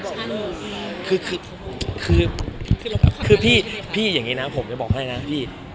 คือคือพี่พี่อย่างนี้นะผมจะบอกให้นะพี่